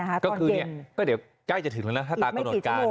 ก็คือนี้ก็เดี๋ยวก็ใกล้จะถึงแล้วแล้วถ้าตามกระโดดการ